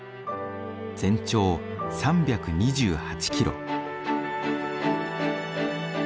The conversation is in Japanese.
全長３２８キロ。